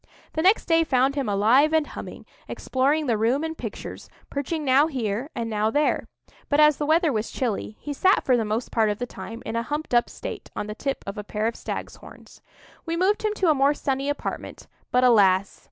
The next day found him alive and humming, exploring the room and pictures, perching now here and now there; but as the weather was chilly, he sat for the most part of the time in a humped up state on the tip of a pair of stag's horns. We moved him to a more sunny apartment; but, alas!